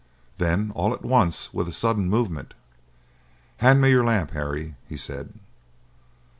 Then, all at once, with a sudden movement, "Hand me your lamp, Harry," he said.